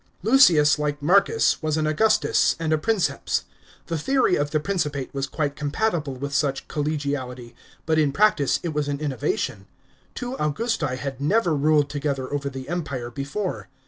Lucius, like Marcus, was an Augustus and a Princeps. The theory of the Principate was quite compatible with such collegiality, but in practice it was an innova tion. Two Augusti had never ruled together over the Empire before.